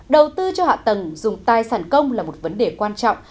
đầu tư cho hạ tầng dùng tài sản công là một vấn đề quan trọng